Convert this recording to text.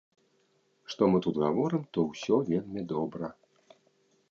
Што мы тут гаворым, то ўсё вельмі добра.